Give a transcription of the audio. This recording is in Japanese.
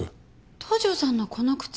東条さんのこの靴。